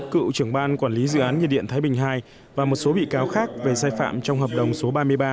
cựu trưởng ban quản lý dự án nhiệt điện thái bình ii và một số bị cáo khác về sai phạm trong hợp đồng số ba mươi ba